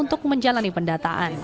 untuk menjalani pendataan